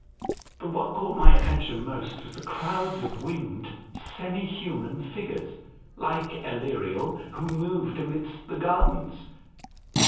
But what caught my attention most was the crowds of winged semi human figures, like Aleriel, who moved amidst. the gardens.